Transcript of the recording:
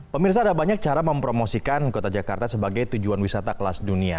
pemirsa ada banyak cara mempromosikan kota jakarta sebagai tujuan wisata kelas dunia